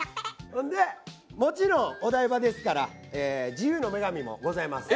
でもちろんお台場ですから自由の女神もございます。